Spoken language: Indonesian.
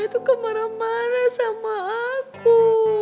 itu kan marah marah sama aku